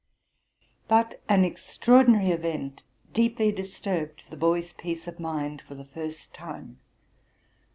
But an extraordinary event deeply disturbed the boy's peace of mind for the first time.